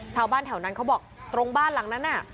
ชาวบ้านแถวนั้นเขาบอกตรงบ้านหลังนั้นน่ะ